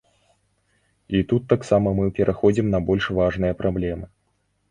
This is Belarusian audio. І тут таксама мы пераходзім на больш важныя праблемы.